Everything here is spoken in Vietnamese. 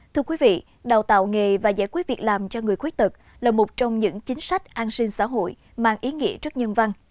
thưa quý vị đào tạo nghề và giải quyết việc làm cho người khuyết tật là một trong những chính sách an sinh xã hội mang ý nghĩa rất nhân văn